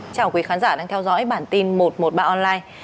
chào quý khán giả đang theo dõi bản tin một trăm một mươi ba online